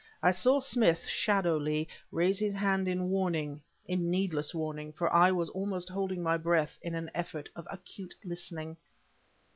I saw Smith, shadowly, raise his hand in warning in needless warning, for I was almost holding my breath in an effort of acute listening.